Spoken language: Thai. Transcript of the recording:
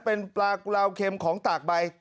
เป็นปลากุลาวเค็มของตากใบ